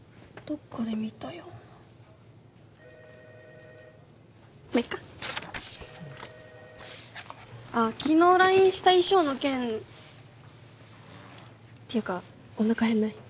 どっかで見たようなまっいっかあっ昨日ＬＩＮＥした衣装の件っていうかおなか減んない？